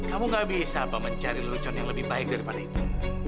kamu gak bisa pak mencari lelucon yang lebih baik daripada itu